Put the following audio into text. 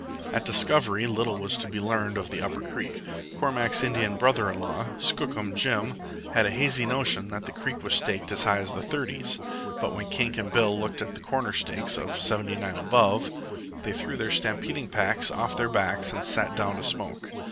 At Discovery little was to be learned of the upper creek. Cormack's Indian brother in law, Skookum Jim, had a hazy notion that the creek was staked as high as the 30's; but when Kink and Bill looked at the corner stakes of 79 ABOVE, they threw their stampeding packs off their backs and sat down to smoke.